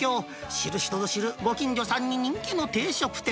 知る人ぞ知る、ご近所さんに人気の定食店。